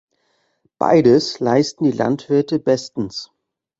Beides leisten die Landwirte bestens.